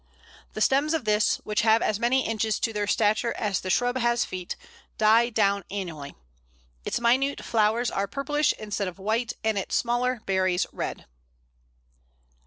The stems of this, which have as many inches to their stature as the shrub has feet, die down annually. Its minute flowers are purplish instead of white, and its smaller berries red. [Illustration: Pl. 126. Flowers of Dogwood.